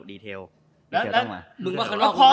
แล้วมึงว่าข้างนอกก็รู้